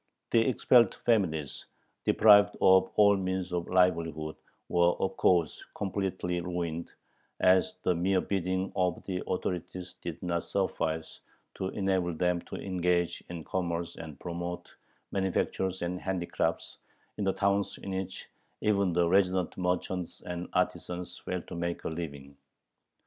The expelled families, deprived of all means of livelihood, were of course completely ruined, as the mere bidding of the authorities did not suffice to enable them "to engage in commerce and promote manufactures and handicrafts" in the towns in which even the resident merchants and artisans failed to make a living.